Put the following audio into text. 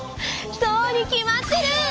そうに決まってる！